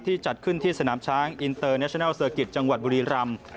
จัดขึ้นที่สนามช้างอินเตอร์เนชนัลเซอร์กิจจังหวัดบุรีรำ